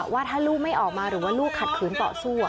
ว่าถ้าลูกไม่ออกมาหรือว่าลูกขัดขืนต่อสู้